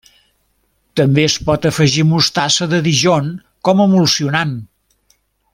També es pot afegir mostassa de Dijon com a emulsionant.